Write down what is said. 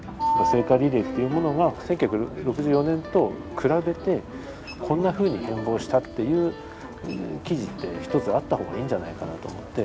聖火リレーっていうものが１９６４年と比べてこんなふうに変貌したっていう記事ってひとつあった方がいいんじゃないかなと思って。